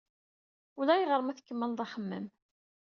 Ulayɣer ma tkemmled axemmem.